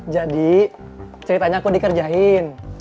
jadi ceritanya aku dikerjain